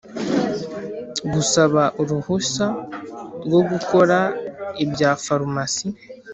gusaba uruhusa rwo gukora ibya farumasi